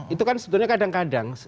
itu kan sebetulnya kadang kadang